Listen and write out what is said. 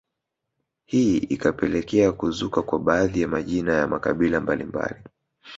Hii ikapekelekea kuzuka kwa baadhi ya majina ya makabila mbalimbali